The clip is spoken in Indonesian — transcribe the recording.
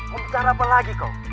mau bicara apa lagi kok